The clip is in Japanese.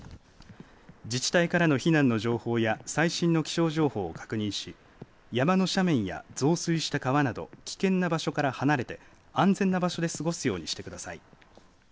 自治体からの避難の情報や最新の気象情報を確認し山の斜面や増水した川など危険な場所から離れて安全な場所で過ごすようにしてください。